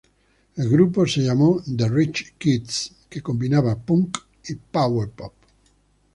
El grupo se llamó The Rich Kids, que combinaba punk y power pop.